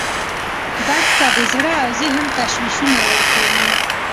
دښته د زړه او ذهن تشویشونه ورکوي.